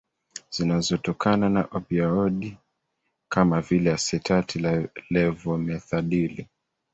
zinazotokana na opioidi kama vile asetati levomethadili